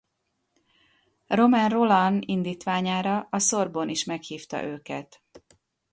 Romain Rolland indítványára a Sorbonne is meghívta őket.